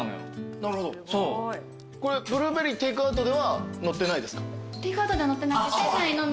これブルーベリーテイクアウトではのってないですか？